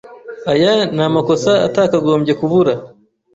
aya ni amakosa atakagombye kubura